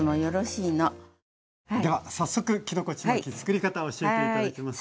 では早速きのこちまきつくり方を教えて頂きます。